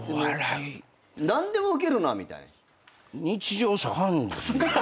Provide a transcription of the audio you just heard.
何でもウケるなぁみたい。